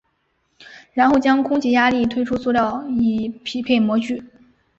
然后将空气压力推出塑料以匹配模具。